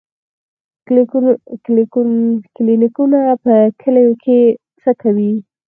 کلینیکونه په کلیو کې څه کوي؟